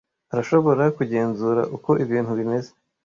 Arashobora kugenzura uko ibintu bimeze.